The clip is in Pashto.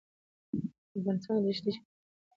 افغانستان کې ښتې د چاپېریال د تغیر نښه ده.